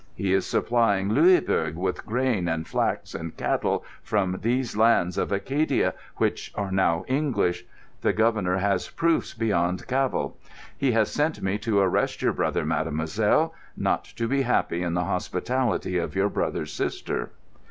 He is supplying Louisbourg with grain and flax and cattle from these lands of Acadia, which are now English. The Governor has proofs beyond cavil. He has sent me to arrest your brother, mademoiselle, not to be happy in the hospitality of your brother's sister."